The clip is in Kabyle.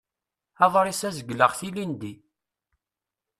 Aḍris-a zegleɣ-t ilindi.